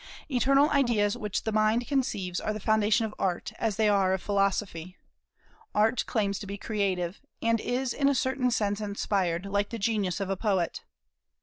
Eternal ideas which the mind conceives are the foundation of Art, as they are of Philosophy. Art claims to be creative, and is in a certain sense inspired, like the genius of a poet.